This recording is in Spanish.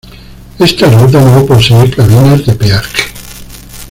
Esta ruta no posee cabinas de peaje.